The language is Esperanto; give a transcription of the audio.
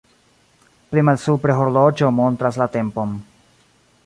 Pli malsupre horloĝo montras la tempon.